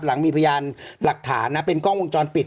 หลังมีพยานหลักฐานนะเป็นกล้องวงจรปิด